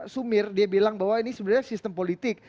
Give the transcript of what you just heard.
sumir dia bilang bahwa ini sebenarnya sistem politik